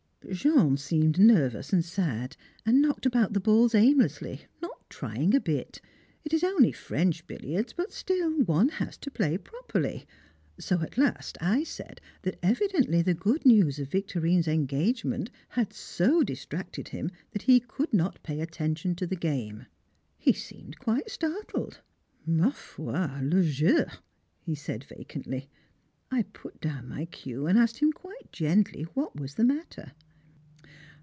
Jean seemed nervous and sad, and knocked about the balls aimlessly, not trying a bit. It is only French billiards, but still one has to play properly, so at last I said that evidently the good news of Victorine's engagement had so distracted him that he could not pay attention to the game. He seemed quite startled. "Ma foi! le jeu!" he said vacantly. I put down my cue and asked him quite gently what was the matter?